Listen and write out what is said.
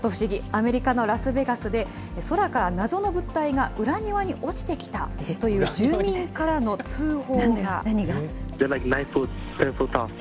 アメリカのラスベガスで、空から謎の物体が裏庭に落ちてきたという住民からの通報が。